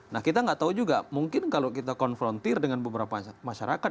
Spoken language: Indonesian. nah kita nggak tahu juga mungkin kalau kita konfrontir dengan beberapa masyarakat